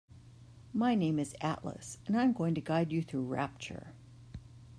My name is Atlas and I'm going to guide you through Rapture.